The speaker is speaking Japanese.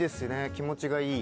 気持ちがいい。